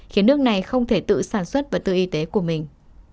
khiến nước này không thể tự sản xuất và tự y tế của mình